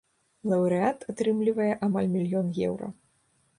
Лаўрэат атрымлівае амаль мільён еўра.